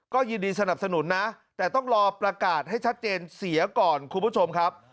ก็ยินดีสนับสนุนนะแต่ต้องรอประกาศให้ชัดเจนเสียก่อนคุณผู้ชมครับ